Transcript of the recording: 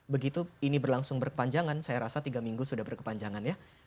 begitu ini berlangsung berkepanjangan saya rasa tiga minggu sudah berkepanjangan ya